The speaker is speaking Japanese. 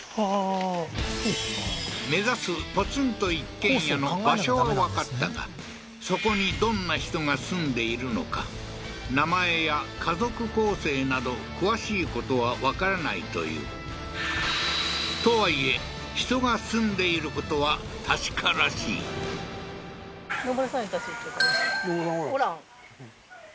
目指すポツンと一軒家の場所はわかったがそこにどんな人が住んでいるのか名前や家族構成など詳しいことはわからないというとはいえ人が住んでいることは確からしいああー